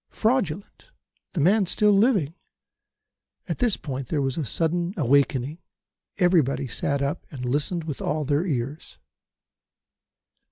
Fraudulent! The man still living! At this point there was a sudden awakening. Everybody sat up and listened with all their ears.